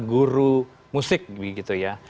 guru musik begitu ya